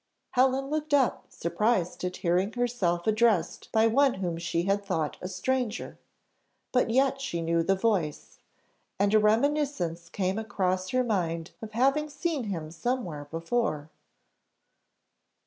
Helen looked up, surprised at hearing herself addressed by one whom she had thought a stranger; but yet she knew the voice, and a reminiscence came across her mind of having seen him somewhere before.